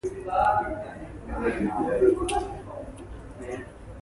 It is closer ideologically to the Democratic Party; it generally opposes neoconservative policy.